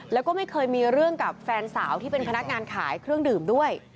แล้วก็ไม่เคยมีเรื่องกับแฟนสาวที่เป็นพนักงานขายเครื่องดื่มด้วย